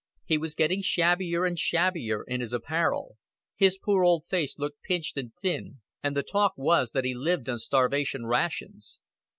He was getting shabbier and shabbier in his apparel; his poor old face looked pinched and thin, and the talk was that he lived on starvation rations.